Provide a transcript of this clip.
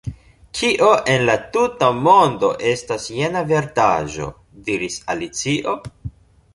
"Kio en la tuta mondo estas jena verdaĵo?" diris Alicio, "